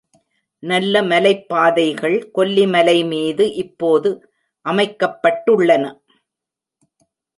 நல்ல மலைப்பாதைகள் கொல்லி மலைமீது இப்போது அமைக்கப்பட்டுள்ளன.